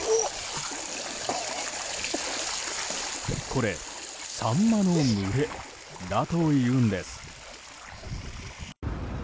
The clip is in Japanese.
これサンマの群れだというんです。